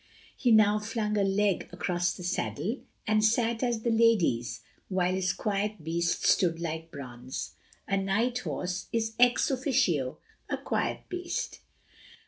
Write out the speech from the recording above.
He now flung a leg across the saddle, and sat as the ladies while his quiet beast stood like bronze. A night horse is ex officio a quiet beast.